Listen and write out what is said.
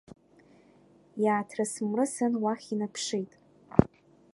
Иааҭрыс-мрысын уахь инаԥшит.